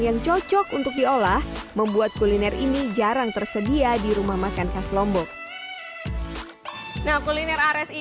yang cocok untuk diolah membuat kuliner ini jarang tersedia di rumah makan khas lombok nah kuliner ares ini